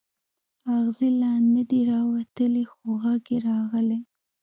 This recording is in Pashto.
اغزی لا نه دی راوتلی خو غږ یې راغلی.